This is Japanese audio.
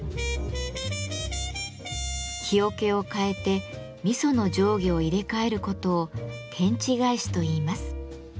木桶を替えて味噌の上下を入れ替えることを「天地返し」といいます。